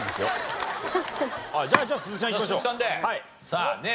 さあね。